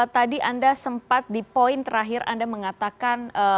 tadi anda sempat di poin terakhir anda mengatakan